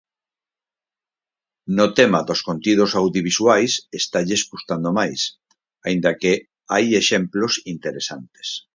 No tema dos contidos audiovisuais estalles custando máis, aínda que hai exemplos interesantes.